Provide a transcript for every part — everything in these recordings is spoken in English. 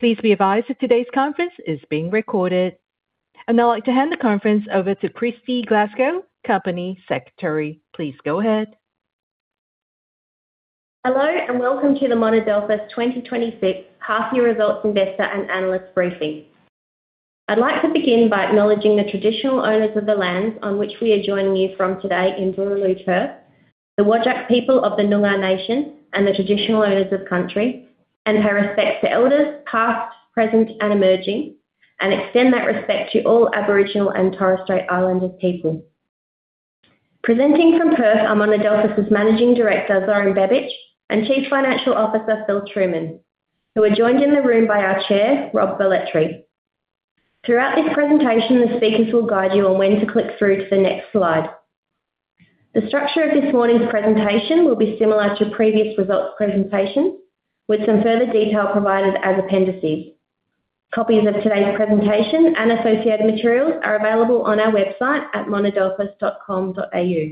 Please be advised that today's conference is being recorded. I'd like to hand the conference over to Kristy Glasgow, Company Secretary. Please go ahead. Hello and welcome to the Monadelphous 2026 Half-Year Results Investor and Analyst Briefing. I'd like to begin by acknowledging the traditional owners of the lands on which we are joining you from today in Boorloo Perth, the Whadjuk people of the Noongar Nation and the traditional owners of country, and her respects to elders past, present, and emerging, and extend that respect to all Aboriginal and Torres Strait Islander people. Presenting from Perth are Monadelphous's Managing Director Zoran Bebic and Chief Financial Officer Philip Trueman, who are joined in the room by our Chair Rob Velletri. Throughout this presentation, the speakers will guide you on when to click through to the next slide. The structure of this morning's presentation will be similar to previous results presentations, with some further detail provided as appendices. Copies of today's presentation and associated material are available on our website at monadelphous.com.au.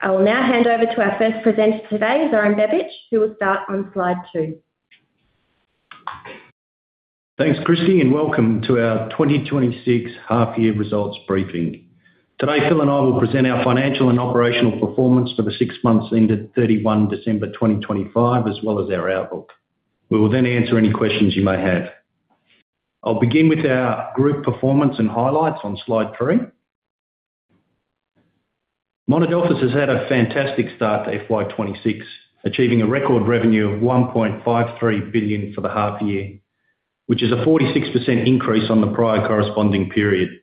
I will now hand over to our first presenter today, Zoran Bebic, who will start on slide two. Thanks, Kristy, and welcome to our 2026 Half-Year Results Briefing. Today, Phil and I will present our financial and operational performance for the six months ended 31 December 2025, as well as our outlook. We will then answer any questions you may have. I'll begin with our group performance and highlights on slide three. Monadelphous has had a fantastic start to FY 2026, achieving a record revenue of $1.53 billion for the half-year, which is a 46% increase on the prior corresponding period.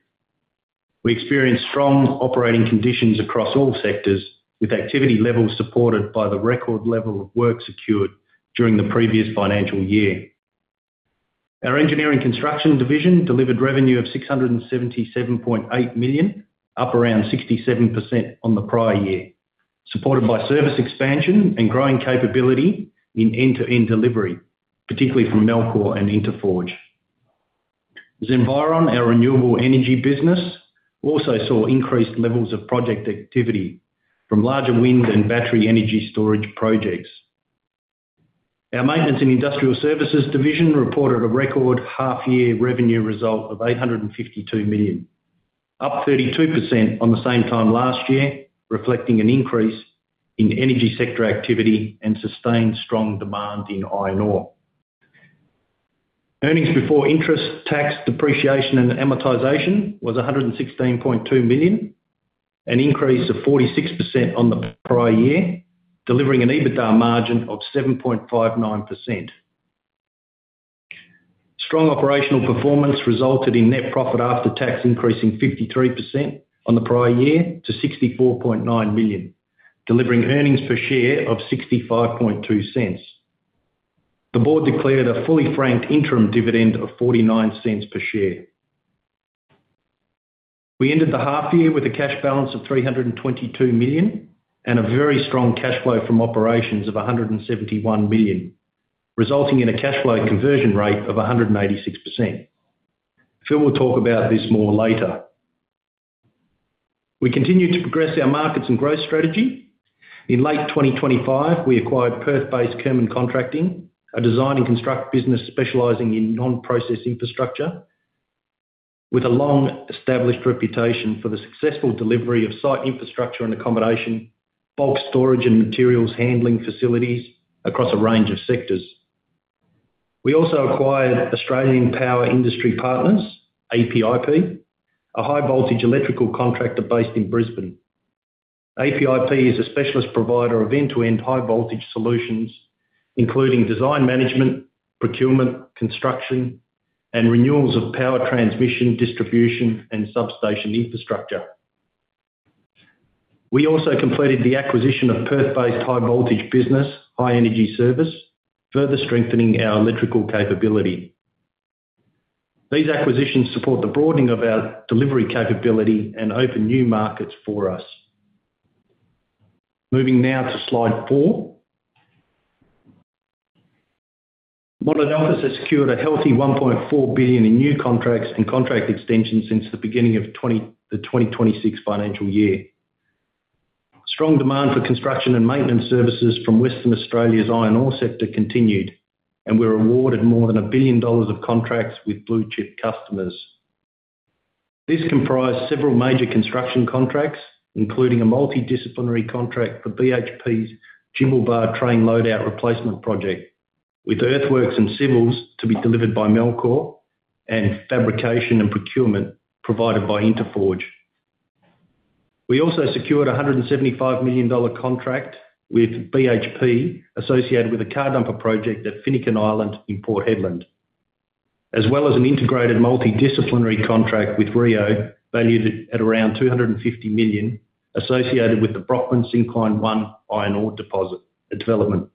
We experienced strong operating conditions across all sectors, with activity levels supported by the record level of work secured during the previous financial year. Our Engineering Construction division delivered revenue of $677.8 million, up around 67% on the prior year, supported by service expansion and growing capability in end-to-end delivery, particularly from Melchor and Inteforge. Zenviron, our renewable energy business, also saw increased levels of project activity from larger wind and battery energy storage projects. Our Maintenance and Industrial Services division reported a record half-year revenue result of 852 million, up 32% on the same time last year, reflecting an increase in energy sector activity and sustained strong demand in iron ore. Earnings before interest, tax, depreciation, and amortization was 116.2 million, an increase of 46% on the prior year, delivering an EBITDA margin of 7.59%. Strong operational performance resulted in net profit after tax increasing 53% on the prior year to 64.9 million, delivering earnings per share of 0.652. The board declared a fully frank interim dividend of 0.49 per share. We ended the half-year with a cash balance of 322 million and a very strong cash flow from operations of 171 million, resulting in a cash flow conversion rate of 186%. Phil will talk about this more later. We continued to progress our markets and growth strategy. In late 2025, we acquired Perth-based Kerman Contracting, a design and construct business specializing in non-process infrastructure, with a long-established reputation for the successful delivery of site infrastructure and accommodation, bulk storage, and materials handling facilities across a range of sectors. We also acquired Australian Power Industry Partners, APIP, a high-voltage electrical contractor based in Brisbane. APIP is a specialist provider of end-to-end high-voltage solutions, including design management, procurement, construction, and renewals of power transmission, distribution, and substation infrastructure. We also completed the acquisition of Perth-based high voltage business, High Energy Services, further strengthening our electrical capability. These acquisitions support the broadening of our delivery capability and open new markets for us. Moving now to slide four. Monadelphous has secured a healthy 1.4 billion in new contracts and contract extensions since the beginning of the 2026 financial year. Strong demand for construction and maintenance services from Western Australia's iron ore sector continued. We're awarded more than 1 billion dollars of contracts with blue-chip customers. These comprise several major construction contracts, including a multidisciplinary contract for BHP's Jimblebar Train Loadout Replacement Project, with earthworks and civils to be delivered by Melchor, and fabrication and procurement provided by Inteforge. We also secured an 175 million dollar contract with BHP associated with a car dumper project at Finucane Island in Port Hedland, as well as an integrated multidisciplinary contract with Rio valued at around 250 million, associated with the Brockman Syncline 1 iron ore deposit and development.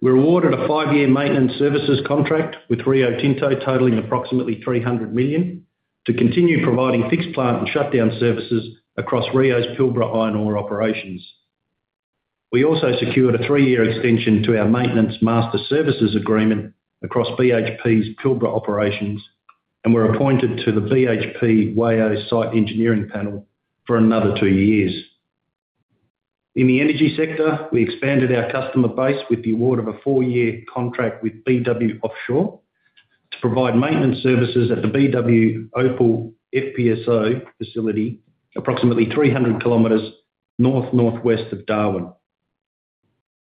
We're awarded a five-year maintenance services contract with Rio Tinto, totaling approximately 300 million, to continue providing fixed plant and shutdown services across Rio's Pilbara iron ore operations. We also secured a three-year extension to our maintenance master services agreement across BHP's Pilbara operations, and we're appointed to the BHP WAIO Site Engineering Panel for another two years. In the energy sector, we expanded our customer base with the award of a four-year contract with BW Offshore to provide maintenance services at the BW Opal FPSO facility, approximately 300 km north-northwest of Darwin.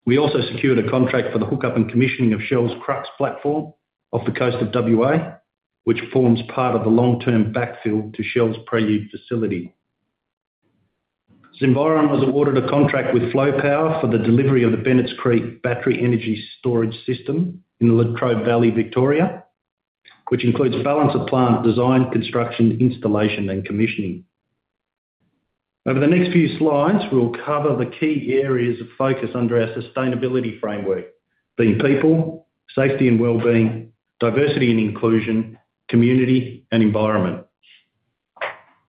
We also secured a contract for the hookup and commissioning of Shell's Crux platform off the coast of WA, which forms part of the long-term backfill to Shell's Prelude facility. Zenviron has awarded a contract with Flow Power for the delivery of the Bennetts Creek Battery Energy Storage System in the Latrobe Valley, Victoria, which includes balance of plant design, construction, installation, and commissioning. Over the next few slides, we'll cover the key areas of focus under our sustainability framework, being people, safety and wellbeing, diversity and inclusion, community, and environment.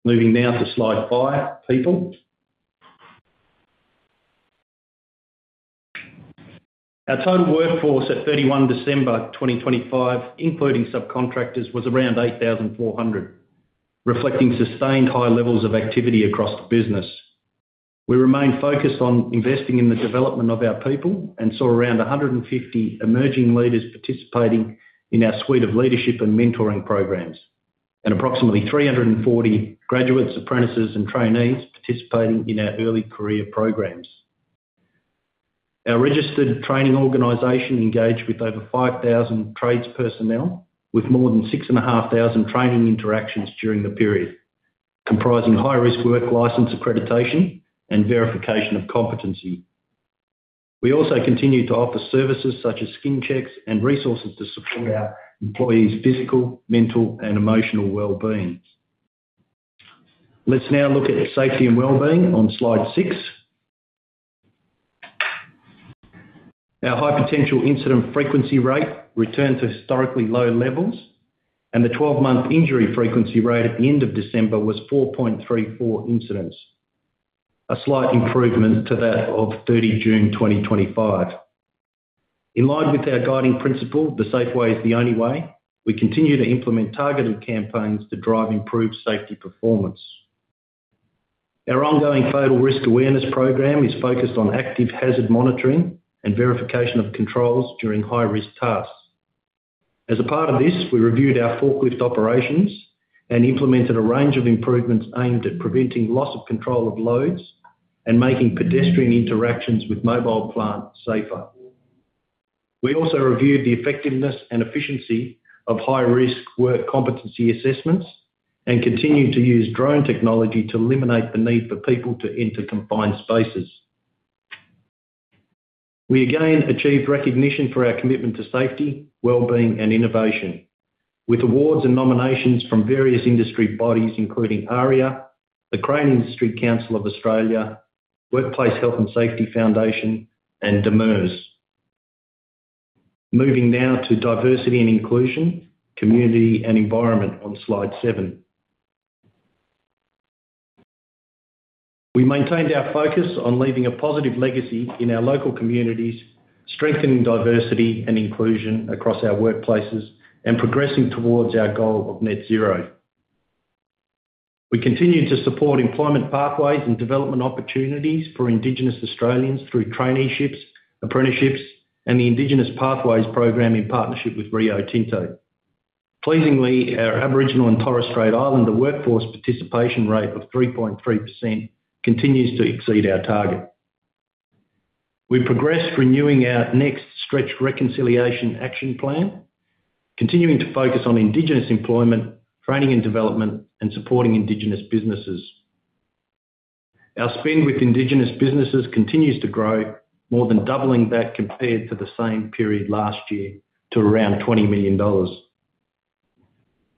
Moving now to slide five, people. Our total workforce at 31 December 2025, including subcontractors, was around 8,400, reflecting sustained high levels of activity across the business. We remain focused on investing in the development of our people and saw around 150 emerging leaders participating in our suite of leadership and mentoring programs, and approximately 340 graduates, apprentices, and trainees participating in our early career programs. Our Registered Training Organisation engaged with over 5,000 trades personnel, with more than 6,500 training interactions during the period, comprising high-risk work license accreditation and verification of competency. We also continue to offer services such as skin checks and resources to support our employees' physical, mental, and emotional wellbeing. Let's now look at safety and wellbeing on slide six. Our high potential incident frequency rate returned to historically low levels, and the 12-month injury frequency rate at the end of December was 4.34 incidents, a slight improvement to that of 30 June 2025. In line with our guiding principle, "the safe way is the only way," we continue to implement targeted campaigns to drive improved safety performance. Our ongoing Fatal Risk Awareness program is focused on active hazard monitoring and verification of controls during high-risk tasks. As a part of this, we reviewed our forklift operations and implemented a range of improvements aimed at preventing loss of control of loads and making pedestrian interactions with mobile plants safer. We also reviewed the effectiveness and efficiency of high-risk work competency assessments and continue to use drone technology to eliminate the need for people to enter confined spaces. We again achieved recognition for our commitment to safety, wellbeing, and innovation, with awards and nominations from various industry bodies, including AREEA, the Crane Industry Council of Australia, WHS Foundation, and DMIRS. Now to diversity and inclusion, community, and environment on slide seven. We maintained our focus on leaving a positive legacy in our local communities, strengthening diversity and inclusion across our workplaces, and progressing towards our goal of net zero. We continue to support employment pathways and development opportunities for Indigenous Australians through traineeships, apprenticeships, and the Indigenous Pathways Program in partnership with Rio Tinto. Pleasingly, our Aboriginal and Torres Strait Islander workforce participation rate of 3.3% continues to exceed our target. We progressed renewing our Next Stretch Reconciliation Action Plan, continuing to focus on Indigenous employment, training and development, and supporting Indigenous businesses. Our spend with Indigenous businesses continues to grow, more than doubling that compared to the same period last year to around $20 million.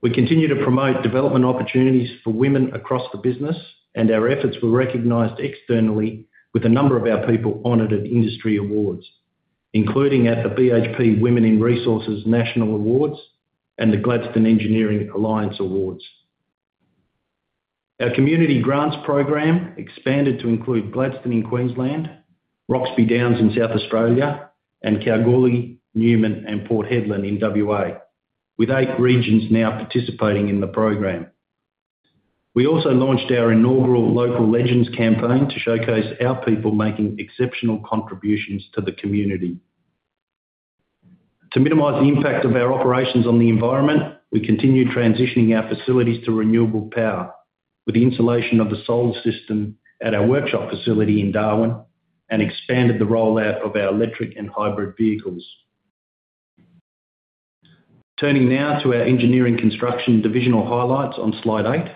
We continue to promote development opportunities for women across the business, and our efforts were recognized externally with a number of our people honored at industry awards, including at the BHP Women in Resources National Awards and the Gladstone Engineering Alliance Industry Awards. Our community grants program expanded to include Gladstone in Queensland, Roxby Downs in South Australia, and Kalgoorlie, Newman, and Port Hedland in WA, with eight regions now participating in the program. We also launched our inaugural local legends campaign to showcase our people making exceptional contributions to the community. To minimize the impact of our operations on the environment, we continued transitioning our facilities to renewable power with the installation of the solar system at our workshop facility in Darwin and expanded the rollout of our electric and hybrid vehicles. Turning now to our Engineering Construction divisional highlights on slide eight.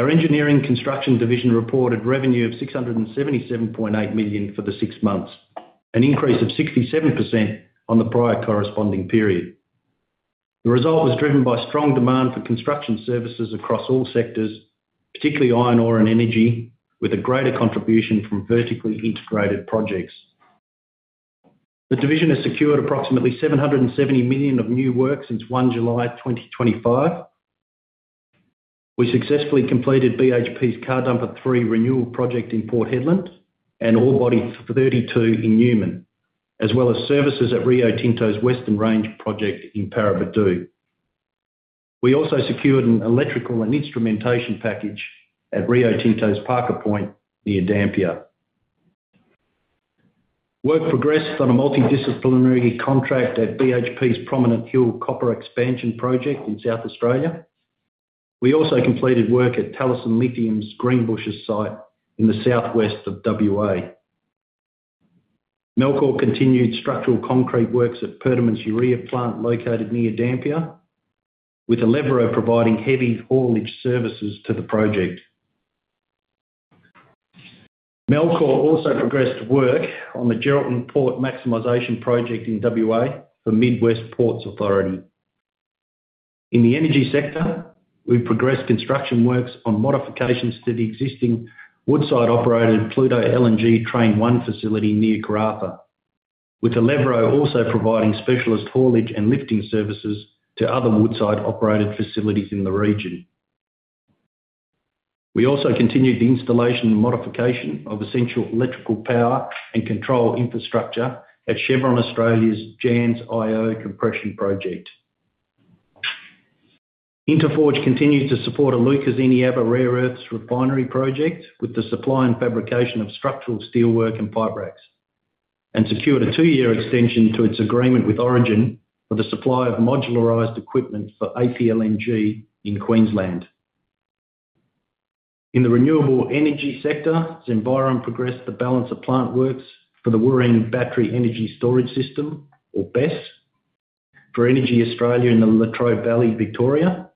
Our Engineering Construction division reported revenue of 677.8 million for the six months, an increase of 67% on the prior corresponding period. The result was driven by strong demand for construction services across all sectors, particularly iron ore and energy, with a greater contribution from vertically integrated projects. The division has secured approximately 770 million of new work since 1 July 2025. We successfully completed BHP's Car Dumper 3 renewal project in Port Hedland and Orebody 32 in Newman, as well as services at Rio Tinto's Western Range project in Paraburdoo. We also secured an electrical and instrumentation package at Rio Tinto's Parker Point near Dampier. Work progressed on a multidisciplinary contract at BHP's Prominent Hill Copper Expansion Project in South Australia. We also completed work at Talison Lithium's Greenbushes site in the southwest of WA. Melchor continued structural concrete works at Perdaman's urea plant located near Dampier, with Alevro providing heavy haulage services to the project. Melchor also progressed work on the Geraldton Port Maximization Project in WA for Mid West Ports Authority. In the energy sector, we progressed construction works on modifications to the existing Woodside-operated Pluto LNG Train 1 facility near Karratha, with Alevro also providing specialist haulage and lifting services to other Woodside-operated facilities in the region. We also continued the installation and modification of essential electrical power and control infrastructure at Chevron Australia's Jansz-Io Compression Project. Inteforge continues to support Iluka Eneabba rare earths refinery project with the supply and fabrication of structural steelwork and pipe racks, and secured a two-year extension to its agreement with Origin for the supply of modularized equipment for APLNG in Queensland. In the renewable energy sector, Zenviron progressed the balance of plant works for the Wooreen Battery Energy Storage System, or BESS, for EnergyAustralia in the Latrobe Valley, Victoria,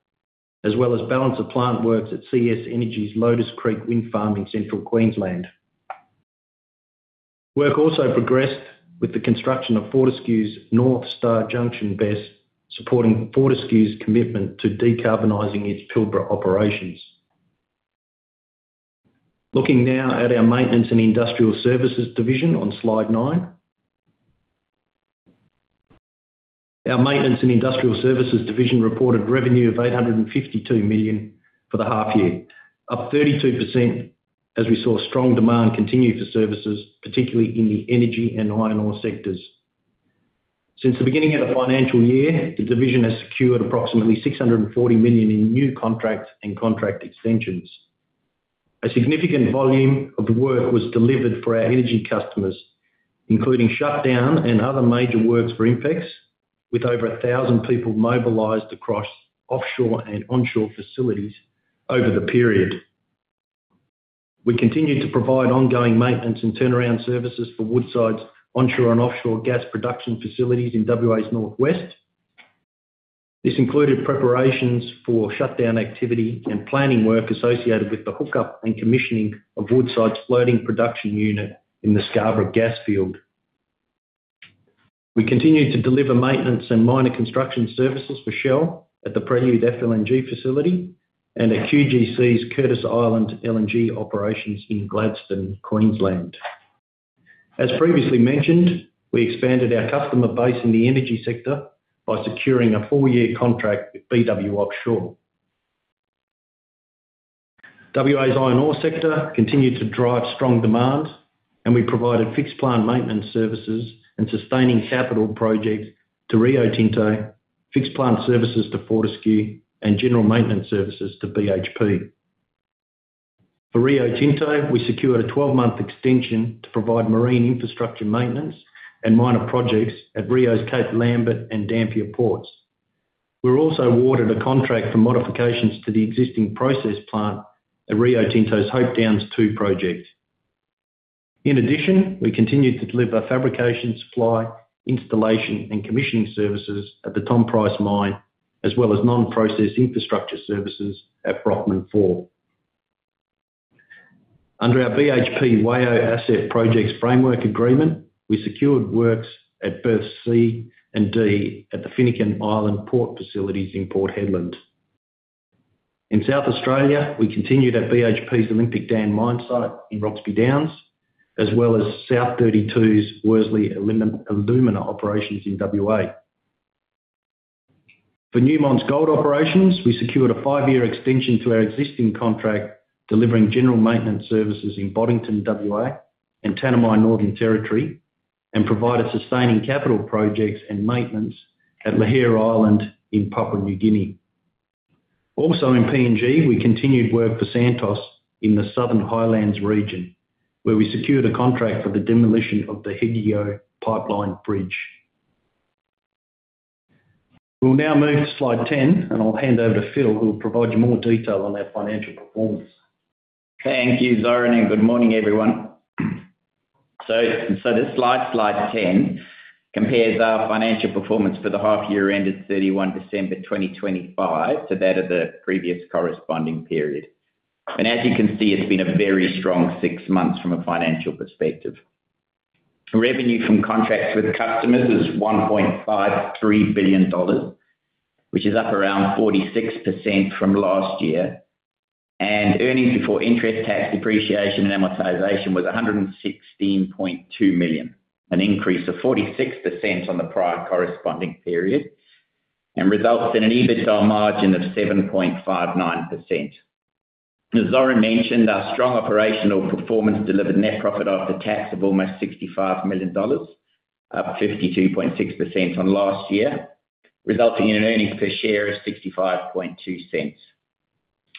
as well as balance of plant works at CS Energy's Lotus Creek Wind Farm Central, Queensland. Work also progressed with the construction of Fortescue's North Star Junction BESS, supporting Fortescue's commitment to decarbonizing its Pilbara operations. Looking now at our Maintenance and Industrial Services division on slide eight. Our Maintenance and Industrial Services division reported revenue of 852 million for the half year, up 32% as we saw strong demand continue for services, particularly in the energy and iron ore sectors. Since the beginning of the financial year, the division has secured approximately 640 million in new contracts and contract extensions. A significant volume of work was delivered for our energy customers, including shutdown and other major works for INPEX, with over 1,000 people mobilized across offshore and onshore facilities over the period. We continued to provide ongoing maintenance and turnaround services for Woodside's, onshore, and offshore gas production facilities in WA's northwest. This included preparations for shutdown activity and planning work associated with the hookup and commissioning of Woodside's floating production unit in the Scarborough gas field. We continued to deliver maintenance and minor construction services for Shell at the Prelude FLNG facility and at QGC's Curtis Island LNG operations in Gladstone, Queensland. As previously mentioned, we expanded our customer base in the energy sector by securing a four-year contract with BW Offshore. WA's iron ore sector continued to drive strong demand, we provided fixed plant maintenance services and sustaining capital projects to Rio Tinto, fixed plant services to Fortescue, and general maintenance services to BHP. For Rio Tinto, we secured a 12-month extension to provide marine infrastructure maintenance and minor projects at Rio's Cape Lambert and Dampier ports. We're also awarded a contract for modifications to the existing process plant at Rio Tinto's Hope Downs 2 project. In addition, we continued to deliver fabrication, supply, installation, and commissioning services at the Tom Price Mine, as well as non-process infrastructure services at Brockman 4. Under our BHP WAIO Asset Projects Framework Agreement, we secured works at Berths C and D at the Finucane Island Port Facilities in Port Hedland. In South Australia, we continued at BHP's Olympic Dam mine site in Roxby Downs, as well as South32's Worsley Alumina operations in WA. For Newmont's Gold operations, we secured a five-year extension to our existing contract, delivering general maintenance services in Boddington, WA, and Tanami Northern Territory, and provided sustaining capital projects and maintenance at Lihir Island in Papua New Guinea. In PNG, we continued work for Santos in the Southern Highlands region, where we secured a contract for the demolition of the Hegigio Pipeline Bridge. We'll now move to slide 10, and I'll hand over to Phil, who'll provide you more detail on our financial performance. Thank you, Zoran, and good morning, everyone. The slide, slide 10 compares our financial performance for the half year ended 31 December 2025 to that of the previous corresponding period. As you can see, it's been a very strong six months from a financial perspective. Revenue from contracts with customers is 1.53 billion dollars, which is up around 46% from last year. EBITDA was 116.2 million, an increase of 46% on the prior corresponding period, and results in an EBITDA margin of 7.59%. As Zoran mentioned, our strong operational performance delivered net profit after tax of almost 65 million dollars, up 52.6% on last year, resulting in an earnings per share of 0.652.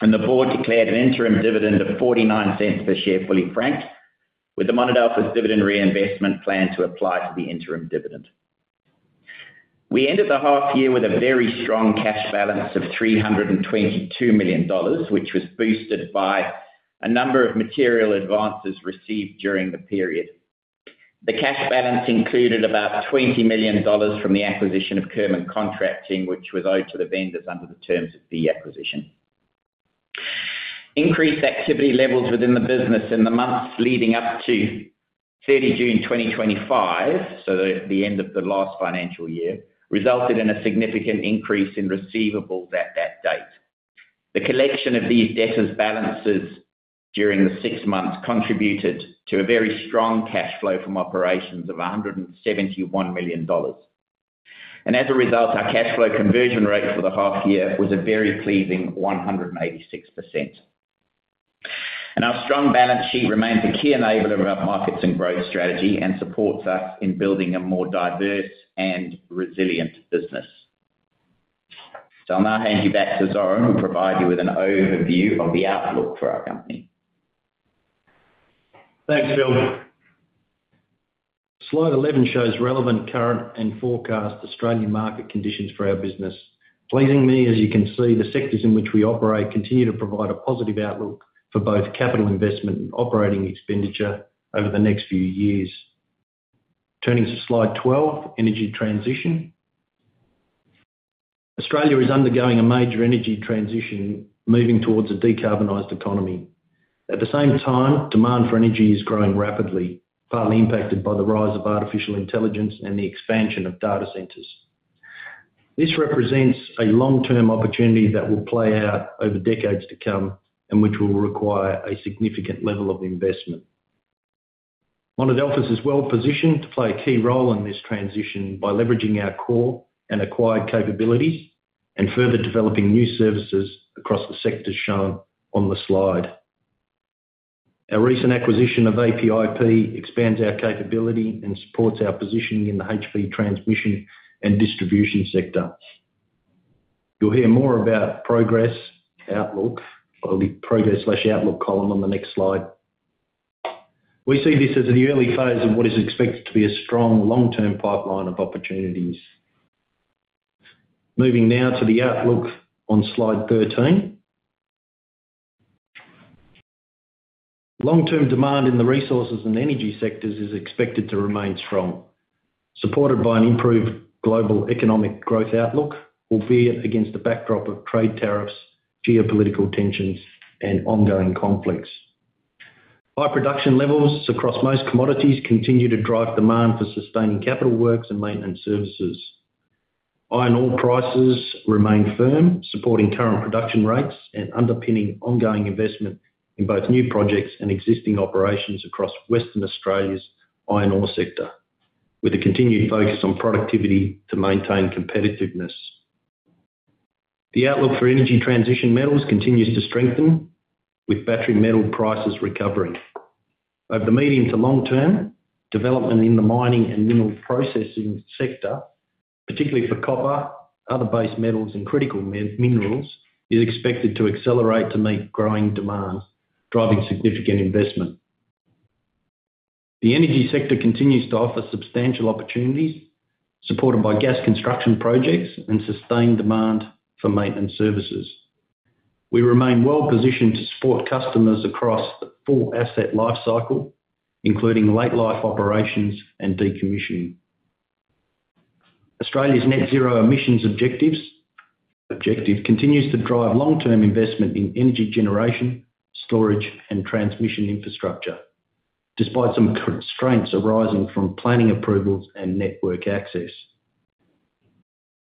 The board declared an interim dividend of 0.49 per share fully frank, with the Monadelphous' dividend reinvestment plan to apply to the interim dividend. We ended the half year with a very strong cash balance of 322 million dollars, which was boosted by a number of material advances received during the period. The cash balance included about 20 million dollars from the acquisition of Kerman Contracting, which was owed to the vendors under the terms of the acquisition. Increased activity levels within the business in the months leading up to 30 June 2025, so the end of the last financial year, resulted in a significant increase in receivables at that date. The collection of these debtors' balances during the six months contributed to a very strong cash flow from operations of 171 million dollars. As a result, our cash flow conversion rate for the half year was a very pleasing 186%. Our strong balance sheet remains a key enabler of our profits and growth strategy and supports us in building a more diverse and resilient business. I'll now hand you back to Zoran, who'll provide you with an overview of the outlook for our company. Thanks, Phil. Slide 11 shows relevant, current, and forecast Australian market conditions for our business. Pleasingly, as you can see, the sectors in which we operate continue to provide a positive outlook for both capital investment and operating expenditure over the next few years. Turning to slide 12, energy transition. Australia is undergoing a major energy transition, moving towards a decarbonized economy. At the same time, demand for energy is growing rapidly, partly impacted by the rise of artificial intelligence and the expansion of data centers. This represents a long-term opportunity that will play out over decades to come and which will require a significant level of investment. Monadelphous as well positioned to play a key role in this transition by leveraging our core and acquired capabilities and further developing new services across the sectors shown on the slide. Our recent acquisition of APIP expands our capability and supports our positioning in the HP transmission and distribution sector. You'll hear more about progress outlook. I'll leave progress slash outlook column on the next slide. We see this as an early phase of what is expected to be a strong long-term pipeline of opportunities. Moving now to the outlook on slide 13. Long-term demand in the resources and energy sectors is expected to remain strong, supported by an improved global economic growth outlook, albeit against a backdrop of trade tariffs, geopolitical tensions, and ongoing conflicts. High production levels across most commodities continue to drive demand for sustaining capital works and maintenance services. Iron ore prices remain firm, supporting current production rates and underpinning ongoing investment in both new projects and existing operations across Western Australia's iron ore sector, with a continued focus on productivity to maintain competitiveness. The outlook for energy transition metals continues to strengthen, with battery metal prices recovering. Over the medium to long term, development in the mining and mineral processing sector, particularly for copper, other base metals, and critical minerals, is expected to accelerate to meet growing demand, driving significant investment. The energy sector continues to offer substantial opportunities, supported by gas construction projects and sustained demand for maintenance services. We remain well positioned to support customers across the full asset life cycle, including late life operations and decommissioning. Australia's net zero emissions objective continues to drive long-term investment in energy generation, storage, and transmission infrastructure, despite some constraints arising from planning approvals and network access.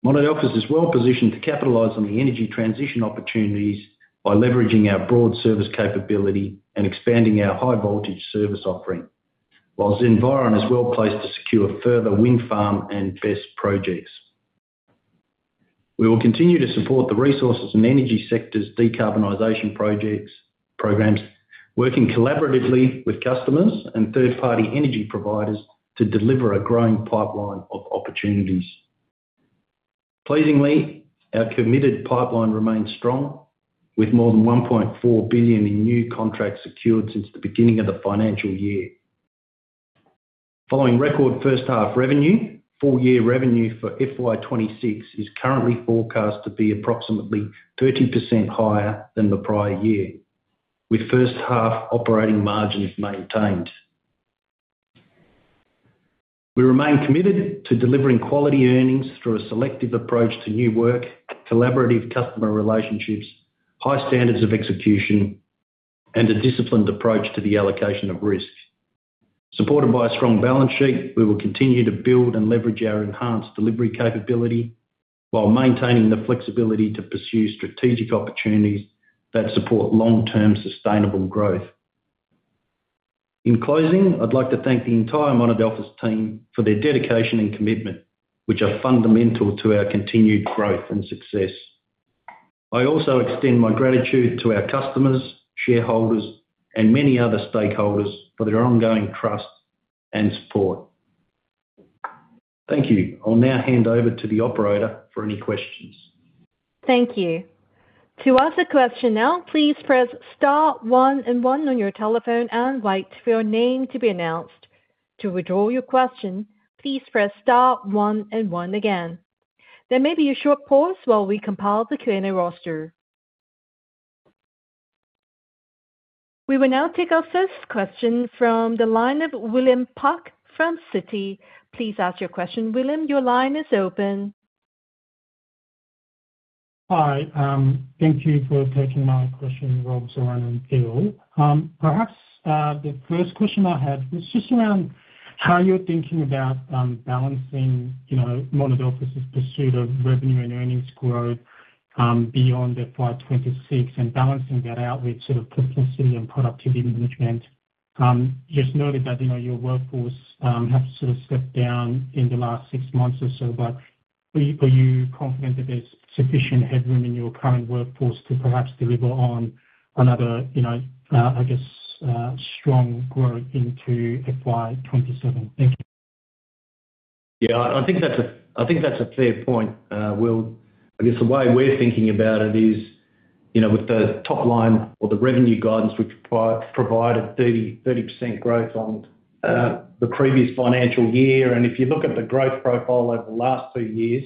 Monadelphous is well positioned to capitalize on the energy transition opportunities by leveraging our broad service capability and expanding our high voltage service offering, while Zenviron is well placed to secure further wind farm and BESS projects. We will continue to support the resources and energy sector's decarbonization projects programs, working collaboratively with customers and third-party energy providers to deliver a growing pipeline of opportunities. Pleasingly, our committed pipeline remains strong, with more than 1.4 billion in new contracts secured since the beginning of the financial year. Following record first half revenue, full year revenue for FY 2026 is currently forecast to be approximately 30% higher than the prior year, with first half operating margin is maintained. We remain committed to delivering quality earnings through a selective approach to new work, collaborative customer relationships, high standards of execution, and a disciplined approach to the allocation of risk. Supported by a strong balance sheet, we will continue to build and leverage our enhanced delivery capability while maintaining the flexibility to pursue strategic opportunities that support long-term sustainable growth. In closing, I'd like to thank the entire Monadelphous' team for their dedication and commitment, which are fundamental to our continued growth and success. I also extend my gratitude to our customers, shareholders, and many other stakeholders for their ongoing trust and support. Thank you. I'll now hand over to the operator for any questions. Thank you. To answer question now, please press star one and one on your telephone and wait for your name to be announced. To withdraw your question, please press star one and one again. There may be a short pause while we compile the Q&A roster. We will now take our first question from the line of William Park from Citi. Please ask your question, William. Your line is open. Hi, thank you for taking my question, Rob, Zoran, and Phil. Perhaps the first question I had was just around how you're thinking about balancing Monadelphous' pursuit of revenue and earnings growth beyond FY 2026 and balancing that out with sort of business city and productivity management. You just noted that your workforce has sort of stepped down in the last six months or so, but are you confident that there's sufficient headroom in your current workforce to perhaps deliver on another, I guess, strong growth into FY 2027? Thank you. Yeah, I think that's a fair point. I guess the way we're thinking about it is with the top line or the revenue guidance, which provided 30% growth on the previous financial year. If you look at the growth profile over the last two years,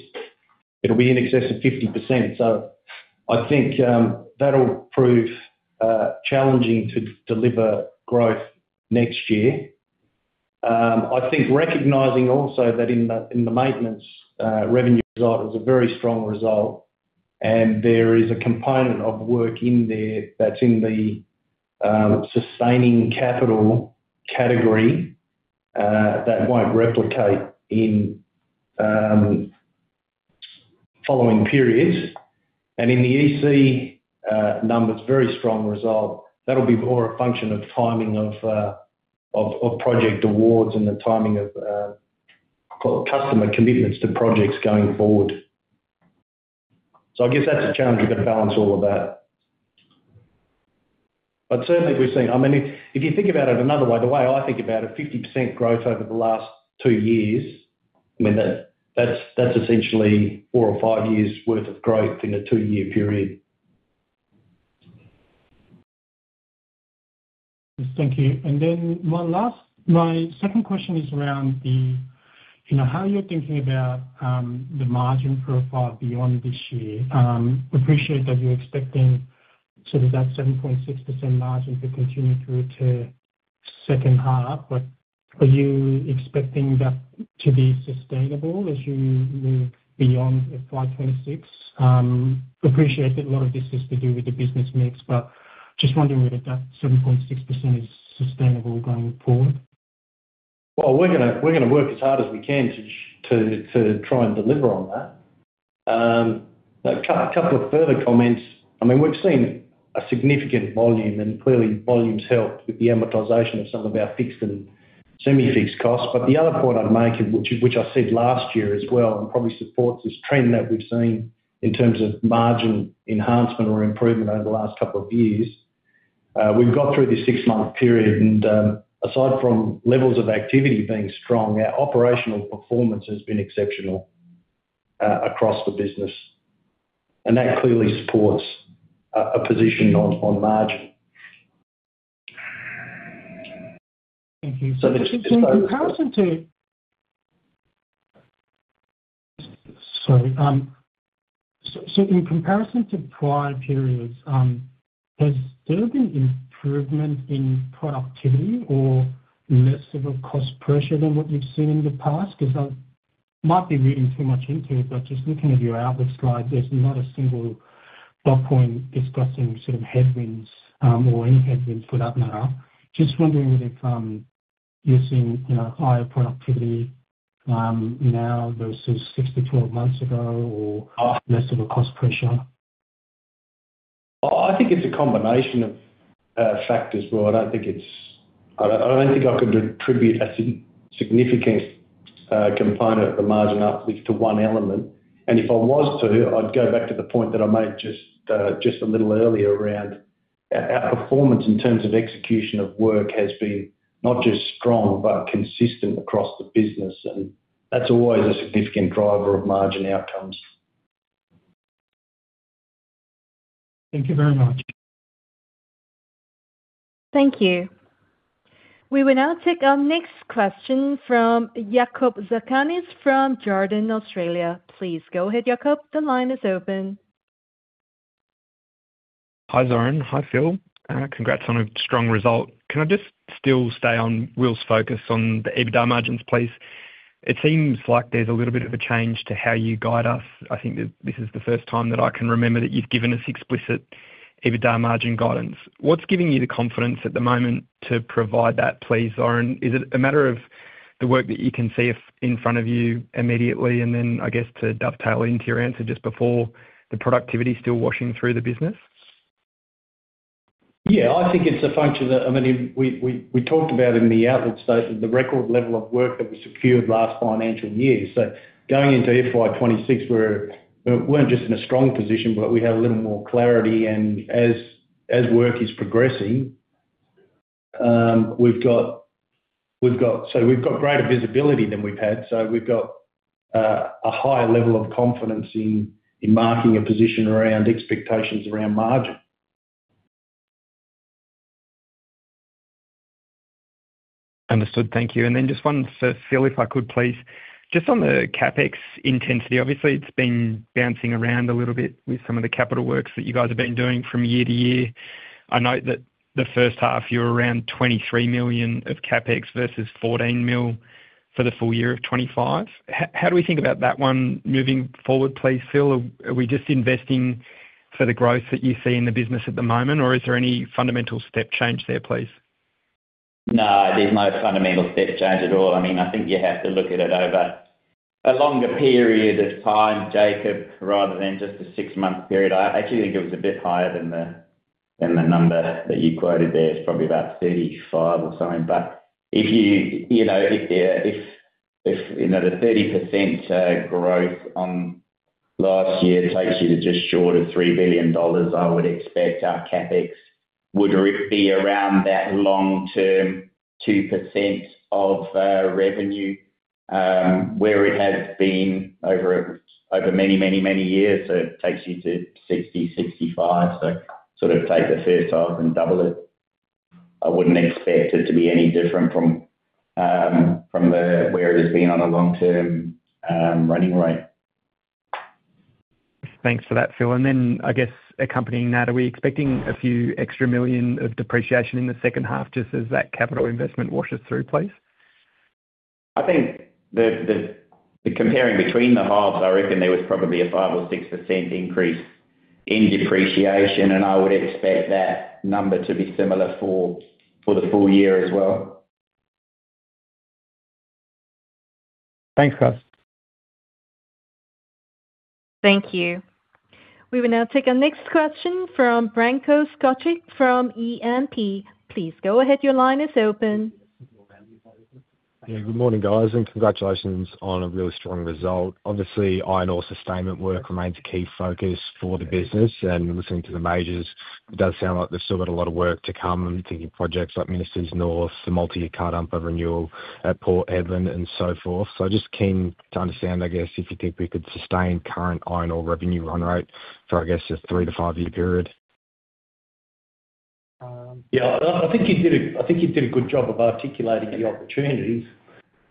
it'll be in excess of 50%. I think that'll prove challenging to deliver growth next year. I think recognizing also that in the maintenance revenue result is a very strong result, and there is a component of work in there that's in the sustaining capital category that won't replicate in following periods. In the EC number, it's a very strong result. That'll be more a function of timing of project awards and the timing of customer commitments to projects going forward. I guess that's a challenge you're going to balance all of that. Certainly we've seen, I mean, if you think about it another way, the way I think about it, 50% growth over the last two years, I mean, that's essentially four or five years' worth of growth in a two-year period. Thank you. One last, my second question is around how you're thinking about the margin profile beyond this year. Appreciate that you're expecting sort of that 7.6% margin to continue through to second half. Are you expecting that to be sustainable as you move beyond FY 2026? Appreciate that a lot of this has to do with the business mix, but just wondering whether that 7.6% is sustainable going forward. Well, we're going to work as hard as we can to try and deliver on that. A couple of further comments. I mean, we've seen a significant volume, clearly volumes helped with the amortization of some of our fixed and semi-fixed costs. The other point I'd make, which I said last year as well, probably supports this trend that we've seen in terms of margin enhancement or improvement over the last couple of years, we've got through this six-month period. Aside from levels of activity being strong, our operational performance has been exceptional across the business. That clearly supports a position on margin. Thank you. In comparison to. In comparison to prior periods, has there been improvement in productivity or merciful cost pressure than what you've seen in the past? Because I might be reading too much into, but just looking at your outlook slide, there's not a single bulk point discussing sort of headwinds or any headwinds, for that matter. Just wondering whether you're seeing higher productivity now versus six to 12 months ago or merciful cost pressure. I think it's a combination of factors, but I don't think it's I don't think I can attribute a significant component of the margin up to one element. If I was to, I'd go back to the point that I made just a little earlier around performance in terms of execution of work has been not just strong, but consistent across the business. And that's always a significant driver of margin outcomes. Thank you very much. Thank you. We will now take our next question from Jakob Cakarnis from Jarden Australia. Please go ahead, Jakob. The line is open. Hi, Zoran. Hi, Phil. Congrats on a strong result. Can I just still stay on Will's focus on the EBITDA margins, please? It seems like there's a little bit of a change to how you guide us. I think this is the first time that I can remember that you've given us explicit EBITDA margin guidance. What's giving you the confidence at the moment to provide that, please, Zoran? Is it a matter of the work that you can see in front of you immediately? Then, I guess, to dovetail into your answer just before, the productivity still washing through the business? Yeah, I think it's a function that, I mean, we talked about in the outlook statement, the record level of work that was secured last financial year. Going into FY 2026, we weren't just in a strong position, but we had a little more clarity. As work is progressing, we've got so we've got greater visibility than we've had. We've got a higher level of confidence in marking a position around expectations around margin. Understood. Thank you. Then just one, Phil, if I could, please. Just on the CapEx intensity, obviously, it's been bouncing around a little bit with some of the capital works that you guys have been doing from year-to-year. I note that the first half, you're around 23 million of CapEx versus 14 million for the full year of 2025. How do we think about that one moving forward, please, Phil? Are we just investing for the growth that you see in the business at the moment, or is there any fundamental step change there, please? There's no fundamental step change at all. I mean, I think you have to look at it over a longer period of time, Jakob, rather than just a six-month period. I actually think it was a bit higher than the number that you quoted there. It's probably about 35 or something. If you if a 30% growth on last year takes you to just short of 3 billion dollars, I would expect our CapEx would be around that long-term 2% of revenue, where it has been over many, many, many years. It takes you to 60, 65. Sort of take the first half and double it. I wouldn't expect it to be any different from where it has been on a long-term running rate. Thanks for that, Phil. Then, I guess, accompanying that, are we expecting a few extra million of depreciation in the second half just as that capital investment washes through, please? I think comparing between the halves, I reckon there was probably a 5% or 6% increase in depreciation. I would expect that number to be similar for the full year as well. Thanks, guys. Thank you. We will now take our next question from Branko Skocic from E&P. Please go ahead. Your line is open. Good morning, guys, and congratulations on a really strong result. Obviously, iron ore sustainment work remains a key focus for the business. Listening to the majors, it does sound like there's still got a lot of work to come. I'm thinking projects like Minster North, the multi-year cut-up of renewal at Port Hedland, and so forth. I'm just keen to understand, I guess, if you think we could sustain current iron ore revenue run rate for, I guess, a three to five-year period. I think you did a good job of articulating the opportunities.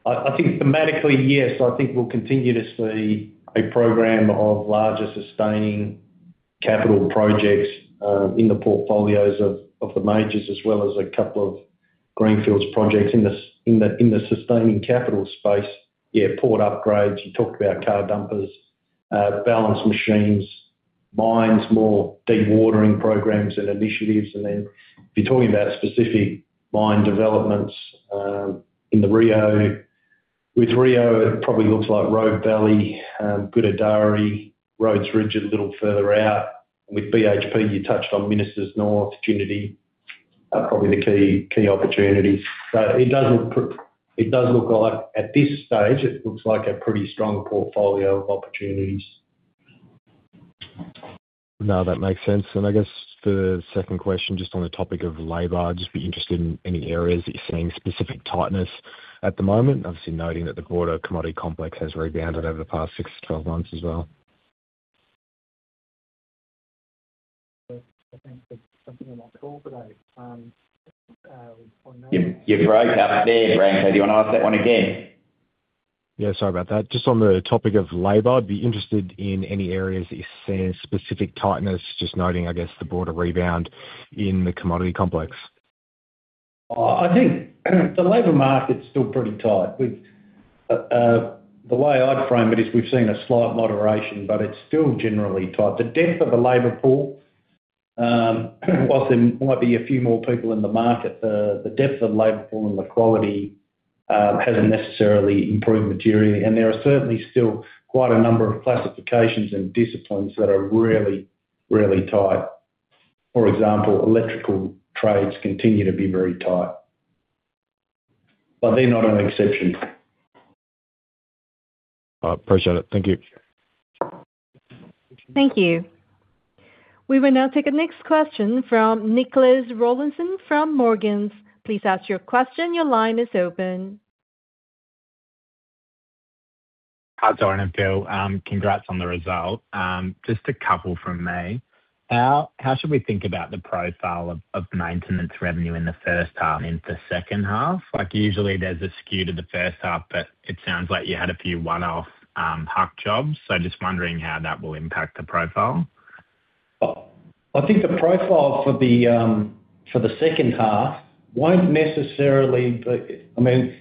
I think thematically, yes, I think we'll continuously have a program of larger sustaining capital projects in the portfolios of the majors, as well as a couple of Greenfields projects in the sustaining capital space. Yeah, port upgrades. You talked about car dumpers, balanced machines, mines, more deep watering programs and initiatives. Then if you're talking about specific mine developments in the Rio, with Rio it probably looks like Robe Valley, Gudai-Darri, Rhodes Ridge a little further out. With BHP, you touched on Minster North, Trinity, probably the key opportunities. It does look at this stage, it looks like a pretty strong portfolio of opportunities. No, that makes sense. I guess for the second question, just on the topic of labor, I'd just be interested in any areas that you're seeing specific tightness at the moment, obviously noting that the quarter commodity complex has rebounded over the past six to 12 months as well [audio distortion. You broke there, Branko. Do you want to ask that one again? Yeah, sorry about that. Just on the topic of labor, I'd be interested in any areas that you see specific tightness, just noting, I guess, the broader rebound in the commodity complex. I think the labor market's still pretty tight. The way I'd frame it is we've seen a slight moderation, but it's still generally tight. The depth of the labor pool, whilst there might be a few more people in the market, the depth of the labor pool and the quality hasn't necessarily improved materially. There are certainly still quite a number of classifications and disciplines that are really, really tight. For example, electrical trades continue to be very tight, but they're not an exception. Appreciate it. Thank you. Thank you. We will now take a next question from Nicholas Rawlinson from Morgans. Please ask your question. Your line is open. Hi, Zoran and Phil. Congrats on the result. Just a couple from me. How should we think about the profile of maintenance revenue in the first half and in the second half? Usually, there's a skew to the first half, but it sounds like you had a few one-off hack jobs. Just wondering how that will impact the profile. I think the profile for the second half won't necessarily, I mean,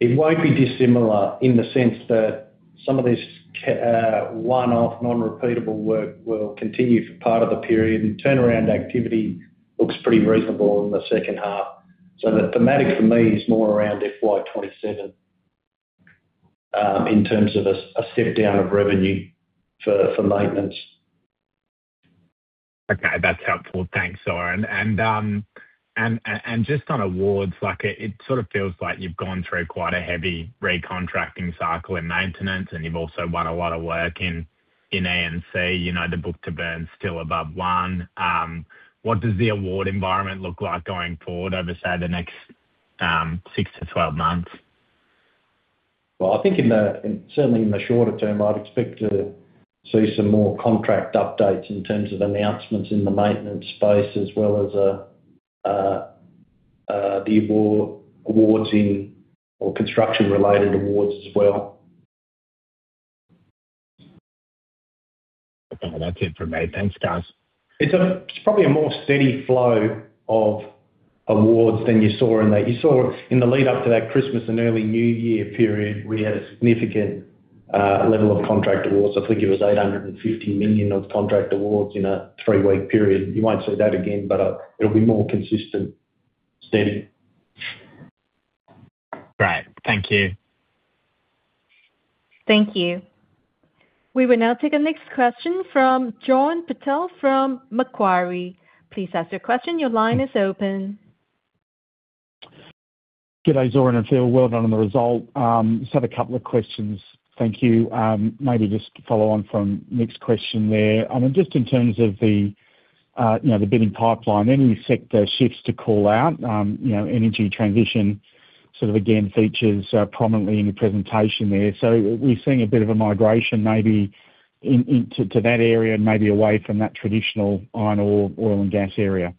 it won't be dissimilar in the sense that some of this one-off, non-repeatable work will continue for part of the period. Turnaround activity looks pretty reasonable in the second half. The thematic for me is more around FY 2027 in terms of a sit-down of revenue for maintenance. Okay, that's helpful. Thanks, Zoran. Just on awards, it sort of feels like you've gone through quite a heavy recontracting cycle in maintenance, and you've also won a lot of work in ANC, the book-to-bill still above 1x. What does the award environment look like going forward over, say, the next six to 12 months? Well, I think certainly in the shorter term, I'd expect to see some more contract updates in terms of announcements in the maintenance space, as well as the awards in or construction-related awards as well. Okay, that's it from me. Thanks, guys. It's probably a more steady flow of awards than you saw in that you saw in the lead-up to that Christmas and early New Year period, we had a significant level of contract awards. I think it was 850 million of contract awards in a three-week period. You might see that again, but it'll be more consistent, steadier. Great. Thank you. Thank you. We will now take a next question from John Patel from Macquarie. Please ask your question. Your line is open. Good day, Zoran and Phil. Well done on the result. Just had a couple of questions. Thank you. Maybe just follow on from next question there. Just in terms of the bidding pipeline, any sector shifts to call out? Energy transition, again, features prominently in your presentation there. We're seeing a bit of a migration maybe into that area and maybe away from that traditional iron ore and gas area.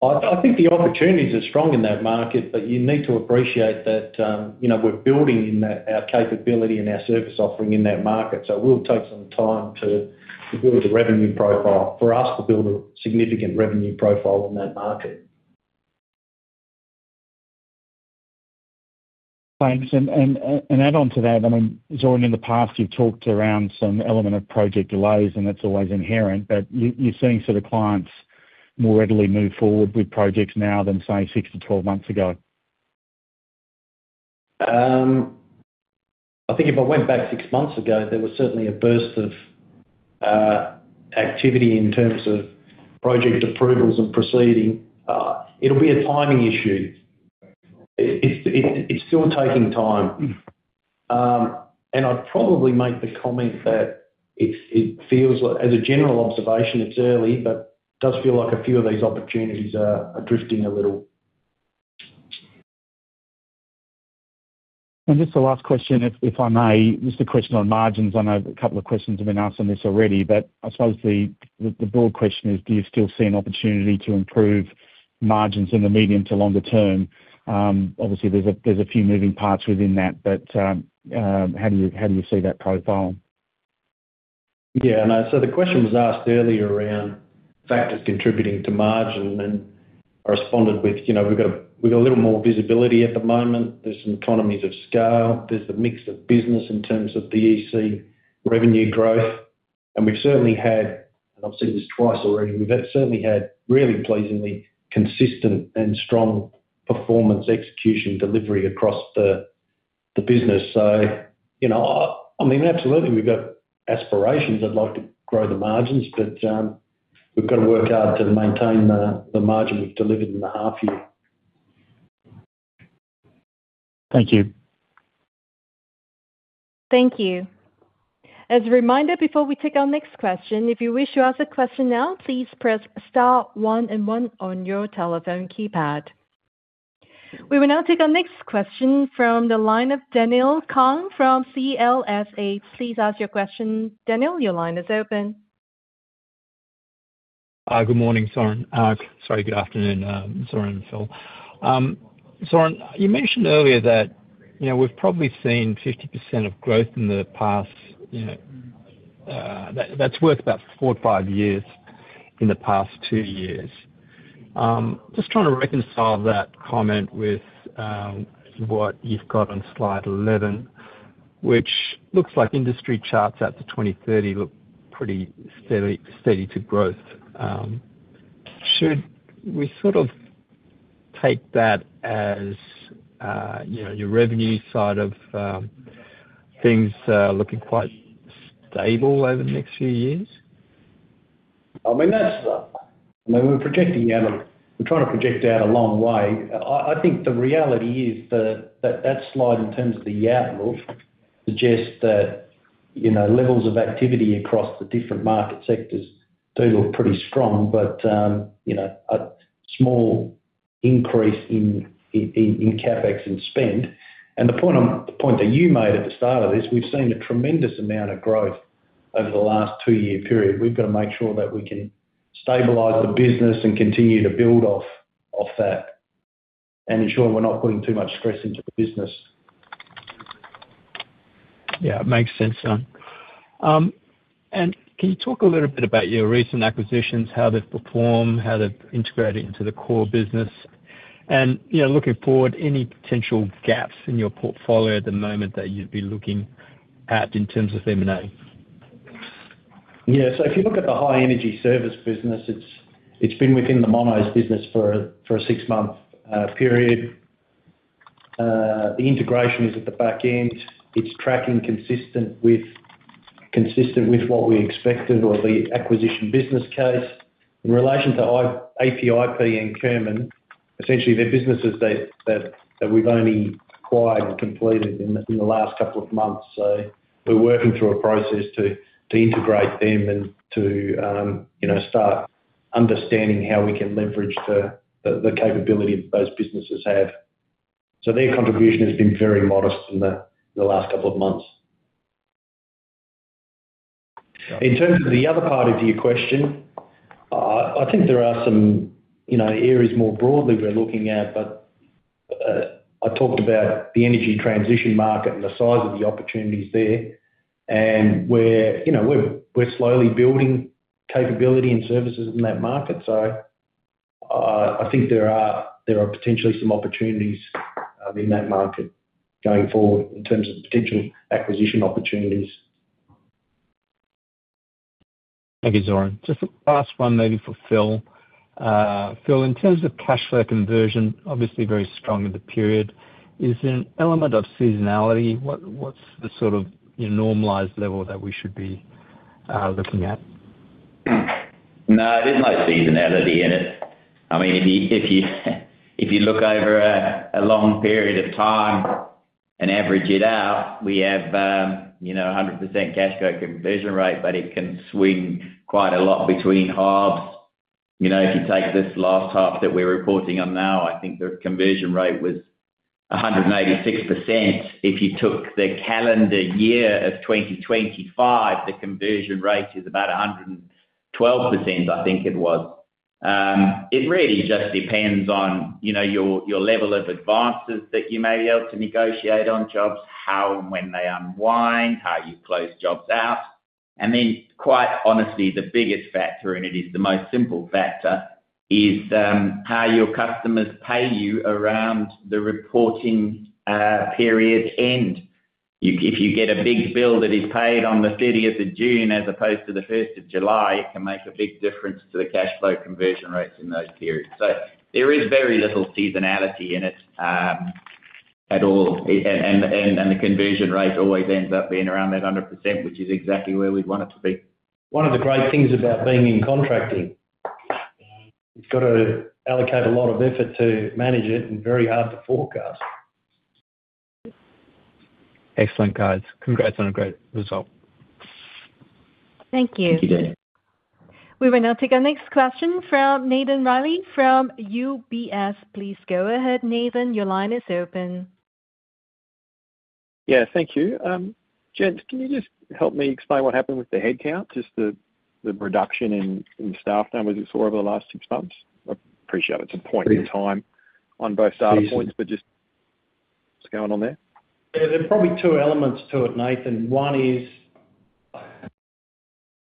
I think the opportunities are strong in that market, but you need to appreciate that we're building our capability and our service offering in that market. It will take some time to build a revenue profile. For us, we'll build a significant revenue profile in that market. Thanks. Add on to that, I mean, Zoran, in the past, you've talked around some element of project delays, and that's always inherent. You're seeing clients more readily move forward with projects now than, say, six to 12 months ago. I think if I went back six months ago, there was certainly a burst of activity in terms of project approvals and proceeding. It'll be a timing issue. It's still taking time. I'd probably make the comment that it feels like, as a general observation, it's early, but it does feel like a few of these opportunities are drifting a little. Just the last question, if I may, just a question on margins. I know a couple of questions have been asked on this already, but I suppose the broad question is, do you still see an opportunity to improve margins in the medium to longer term? Obviously, there's a few moving parts within that, but how do you see that profile? Yeah, I know. The question was asked earlier around factors contributing to margin and I responded with, we've got a little more visibility at the moment. There's some economies of scale. There's a mix of business in terms of the EC revenue growth. We've certainly had, and I've seen this twice already, we've certainly had really pleasingly consistent and strong performance execution delivery across the business. You know, I mean, absolutely, we've got aspirations. I'd like to grow the margins, but we've got to work hard to maintain the margin we've delivered in the half-year. Thank you. Thank you. As a reminder, before we take our next question, if you wish to ask a question now, please press star one and one on your telephone keypad. We will now take our next question from the line of Daniel Kang from CLSA. Please ask your question. Daniel, your line is open. Good morning, Zoran. Sorry, good afternoon, Zoran and Phil. Zoran, you mentioned earlier that we've probably seen 50% of growth in the past. That's worth about four or five years in the past two years. Just trying to reconcile that comment with what you've got on slide 11, which looks like industry charts out to 2030 look pretty steady to growth. Should we sort of take that as your revenue side of things looking quite stable over the next few years? I mean, that's the I mean, we're projecting out a we're trying to project out a long way. I think the reality is that that slide in terms of the outlook suggests that levels of activity across the different market sectors do look pretty strong. A small increase in CapEx and spend. The point that you made at the start of this, we've seen a tremendous amount of growth over the last two-year period. We've got to make sure that we can stabilize the business and continue to build off that and ensure we're not putting too much stress into the business. Yeah, it makes sense. Can you talk a little bit about your recent acquisitions, how they've performed, how they've integrated into the core business? Looking forward, any potential gaps in your portfolio at the moment that you'd be looking at in terms of M&A? Yeah, if you look at the High Energy Services business, it's been within the Monos business for a six-month period. The integration is at the back end. It's tracking consistent with what we expected or the acquisition business case. In relation to APIP and Kerman, essentially, they're businesses that we've only acquired and completed in the last couple of months. We're working through a process to integrate them and to start understanding how we can leverage the capability that those businesses have. Their contribution has been very modest in the last couple of months. In terms of the other part of your question, I think there are some areas more broadly we're looking at, but I talked about the energy transition market and the size of the opportunities there and where we're slowly building capability and services in that market. I think there are potentially some opportunities in that market going forward in terms of potential acquisition opportunities. Thank you, Zoran. Just a last one maybe for Phil. Phil, in terms of cash flow conversion, obviously very strong in the period. Is there an element of seasonality? What's the sort of normalized level that we should be looking at? No, there's no seasonality in it. I mean, if you look over a long period of time and average it out, we have a 100% cash flow conversion rate, but it can swing quite a lot between halves. If you take this last half that we're reporting on now, I think the conversion rate was 186%. If you took the calendar year of 2025, the conversion rate is about 112%, I think it was. It really just depends on your level of advances that you may be able to negotiate on jobs, how and when they unwind, how you close jobs out. Then quite honestly, the biggest factor, and it is the most simple factor, is how your customers pay you around the reporting period end. If you get a big bill that is paid on the 30th of June as opposed to the 1st of July, it can make a big difference to the cash flow conversion rates in those periods. There is very little seasonality in it at all. The conversion rate always ends up being around that 100%, which is exactly where we'd want it to be. One of the great things about being in contracting, you've got to allocate a lot of effort to manage it and very hard to forecast. Excellent, guys. Congrats on a great result. Thank you. You did. We will now take our next question from Nathan Reilly from UBS. Please go ahead, Nathan. Your line is open. Yeah, thank you. Gents, can you just help me explain what happened with the headcount, just the reduction in staff numbers? It's all over the last six months. I appreciate it. It's a point in time on both data points, but just what's going on there? Yeah, there are probably two elements to it, Nathan. One is I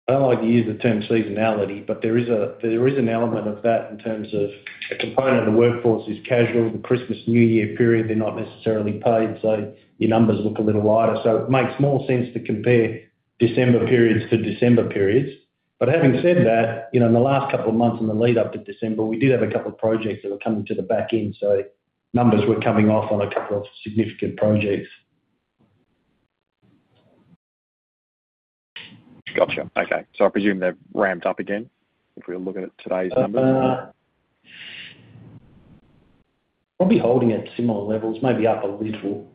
don't like to use the term seasonality, but there is an element of that in terms of a component of the workforce is casual. The Christmas and New Year period, they're not necessarily paid. Your numbers look a little lighter. It makes more sense to compare December periods to December periods. Having said that, in the last couple of months in the lead-up to December, we did have a couple of projects that were coming to the back end. Numbers were coming off on a couple of significant projects. Gotcha. Okay. I presume they're ramped up again if we're looking at today's numbers. I'll be holding at similar levels, maybe up a little.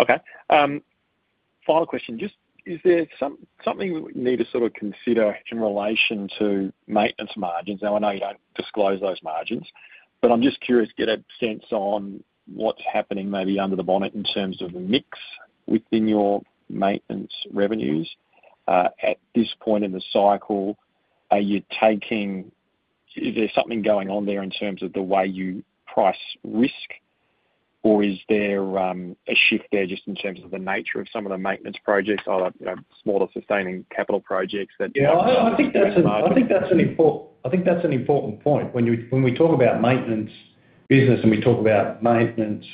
Okay. Final question. Just is there something we need to sort of consider in relation to maintenance margins? Now, I know you don't disclose those margins, but I'm just curious to get a sense on what's happening maybe under the bonnet in terms of the mix within your maintenance revenues. At this point in the cycle, is there something going on there in terms of the way you price risk, or is there a shift there just in terms of the nature of some of the maintenance projects, either smaller sustaining capital projects that you're involved in? Yeah, I think that's an important point. When we talk about maintenance business and we talk about maintenance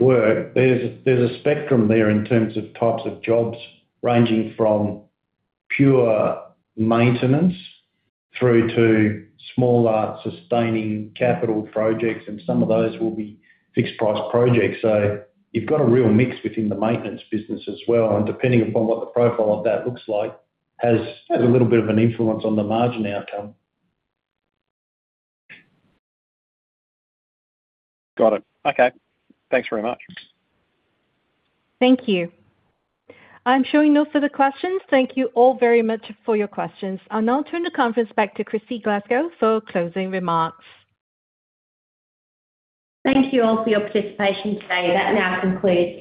work, there's a spectrum there in terms of types of jobs ranging from pure maintenance through to smaller sustaining capital projects. Some of those will be fixed-price projects. You've got a real mix within the maintenance business as well. Depending upon what the profile of that looks like, has a little bit of an influence on the margin outcome. Got it. Okay. Thanks very much. Thank you. I'm showing no further questions. Thank you all very much for your questions. I'll now turn the conference back to Kristy Glasgow for closing remarks. Thank you all for your participation today. That now includes...